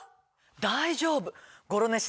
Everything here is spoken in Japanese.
大丈夫。